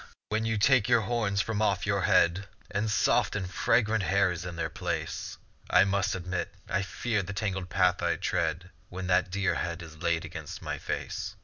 when you take your horns from off your head, And soft and fragrant hair is in their place; I must admit I fear the tangled path I tread When that dear head is laid against my face.